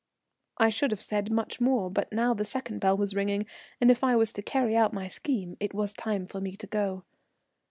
I should have said much more, but now the second bell was ringing, and if I was to carry out my scheme it was time for me to go.